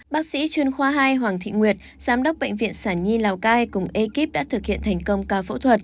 bác sĩ chuyên khoa hai hoàng thị nguyệt giám đốc bệnh viện sản nhi lào cai cùng ekip đã thực hiện thành công ca phẫu thuật